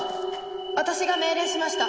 私が命令しました。